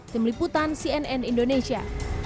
tim liputan cnn indonesia